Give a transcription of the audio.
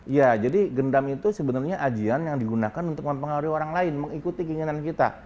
ya jadi gendam itu sebenarnya ajian yang digunakan untuk mempengaruhi orang lain mengikuti keinginan kita